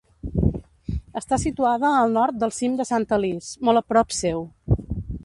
Està situada al nord del cim de Sant Alís, molt a prop seu.